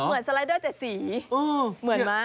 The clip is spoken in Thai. เหมือนสไลเดอร์เจศรีเหมือนมะ